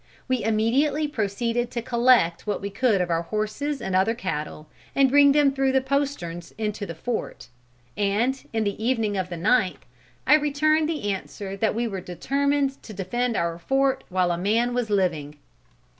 We immediately proceeded to collect what we could of our horses and other cattle, and bring them through the posterns into the fort; and in the evening of the ninth, I returned the answer 'that we were determined to defend our fort while a man was living.'